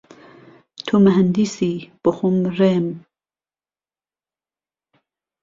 تۆ مههندیسی بۆخۆم رێم